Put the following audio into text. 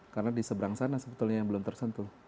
karena diseberang sana sebetulnya yang belum tersentuh